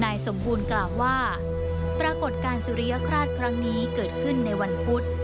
สมบูรณ์กล่าวว่าปรากฏการณ์สุริยคราชครั้งนี้เกิดขึ้นในวันพุธ